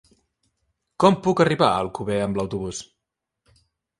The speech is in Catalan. Com puc arribar a Alcover amb autobús?